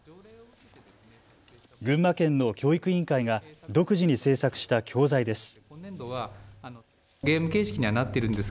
群馬県の教育委員会が独自に制作した教材です。